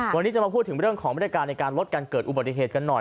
วันนี้จะมาพูดถึงเรื่องของบริการในการลดการเกิดอุบัติเหตุกันหน่อย